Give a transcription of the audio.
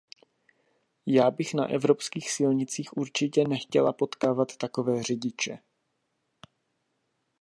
Já bych na evropských silnicích určitě nechtěla potkávat takové řidiče.